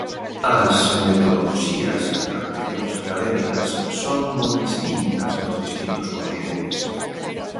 As metodoloxías e tradicións académicas son moi distintas nos distintos continentes.